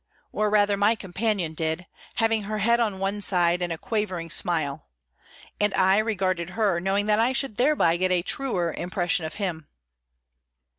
Or, rather, my companion did, having her head on one side, and a quavering smile; and I regarded her, knowing that I should thereby get a truer impression of him.